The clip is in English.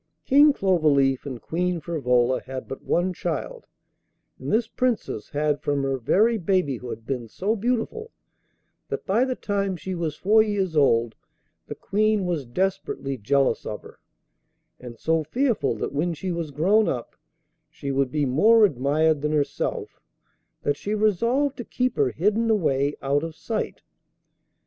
King Cloverleaf and Queen Frivola had but one child, and this Princess had from her very babyhood been so beautiful, that by the time she was four years old the Queen was desperately jealous of her, and so fearful that when she was grown up she would be more admired than herself, that she resolved to keep her hidden away out of sight.